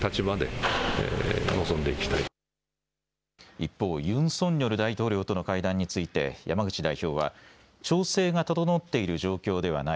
一方、ユン・ソンニョル大統領との会談について山口代表は調整が整っている状況ではない。